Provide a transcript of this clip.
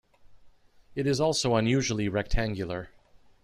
It is also unusually rectangular.